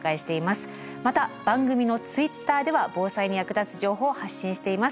また番組のＴｗｉｔｔｅｒでは防災に役立つ情報を発信しています。